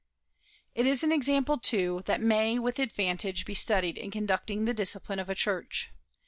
It is an example, too, that may with advantage be studied in conducting the discipline of a church.